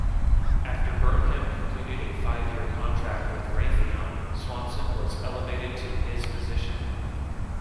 After Burnham completed a five-year contract with Raytheon, Swanson was elevated to his position.